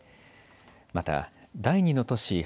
また、第２の都市